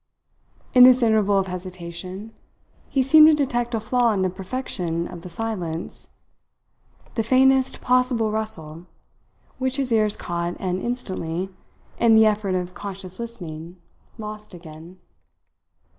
In this interval of hesitation, he seemed to detect a flaw in the perfection of the silence, the faintest possible rustle, which his ears caught and instantly, in the effort of conscious listening, lost again.